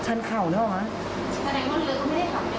แสดงว่าเลือกก็ไม่ได้กลับเร็วมาก